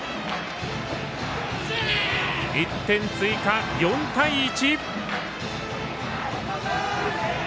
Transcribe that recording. １点追加、４対１。